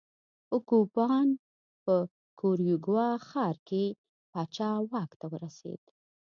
په کوپان په کیوریګوا ښار کې پاچا واک ته ورسېد.